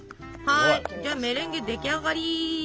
はいメレンゲ出来上がり。